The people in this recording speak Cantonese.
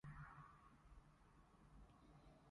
佢肥嘟嘟好得意